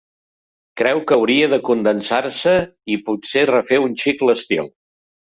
Creu que hauria de condensar-se i potser refer un xic l'estil.